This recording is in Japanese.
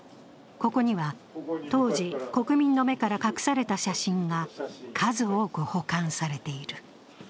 ここには当時、国民のめから隠された写真が数多く保管されている。